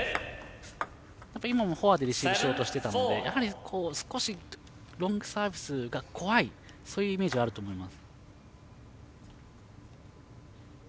今もフォアでレシーブしようとしていたので少しロングサービスが怖いそういうイメージはあると思います。